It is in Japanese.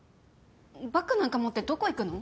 バッグなんか持ってどこ行くの？